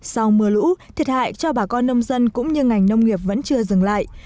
sau mưa lũ thiệt hại cho bà con nông dân cũng như ngành nông nghiệp vẫn chưa dừng lại